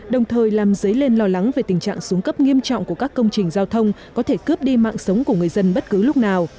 đồng thời làm dấy lên lo lắng về tình trạng xuống cấp nghiêm trọng của các công trình giao thông có thể cướp đi mạng sống của người dân bất cứ lúc nào